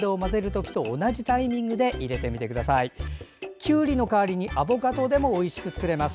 きゅうりの代わりにアボカドでもおいしく作れます。